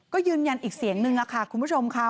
ก็ยืนยันอีกเสียงนึงค่ะคุณผู้ชมค่ะ